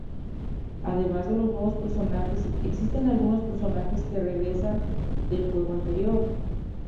Además de los nuevos personajes, existen algunos personajes que regresan del juego anterior.